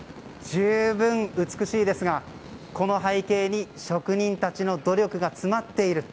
十分、美しいですがこの背景に職人たちの努力が詰まっている。